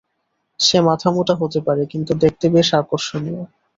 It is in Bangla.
সে মাথামোটা হতে পারে, কিন্তু দেখতে বেশ আকর্ষণীয়!